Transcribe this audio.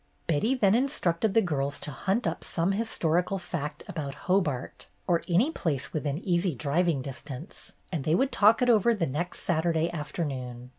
Betty then instructed the girls to hunt up some historical fact about Hobart, or any place within easy driving distance, and they would talk it over the next Saturday after noon.